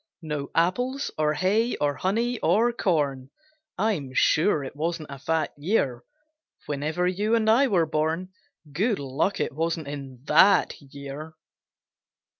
No apples, or hay, or honey, or corn; I'm sure it wasn't a fat year. Whenever you and I were born, Good luck it wasn't in that year!